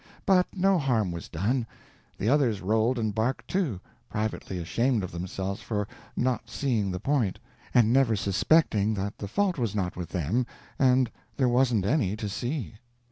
But no harm was done; the others rolled and barked too, privately ashamed of themselves for not seeing the point, and never suspecting that the fault was not with them and there wasn't any to see.